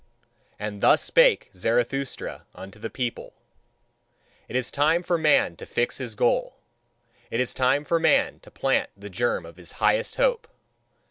And thus spake Zarathustra unto the people: It is time for man to fix his goal. It is time for man to plant the germ of his highest hope.